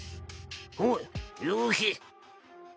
おい夕日。